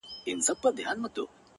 • څه ووایم چي یې څرنګه آزار کړم,